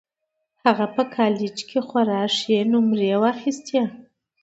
هغه په کالج کې خورا ښې نومرې واخيستې